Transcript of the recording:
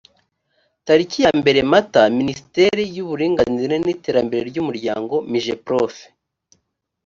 tariki ya mbere mata minisiteri y uburinganire n iterambere ry umuryango migeprof